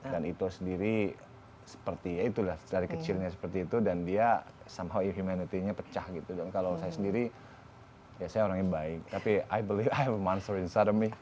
dan ito sendiri seperti ya itu lah dari kecilnya seperti itu dan dia somehow humanitynya pecah gitu dan kalau saya sendiri ya saya orangnya baik tapi i believe i have a monster inside of me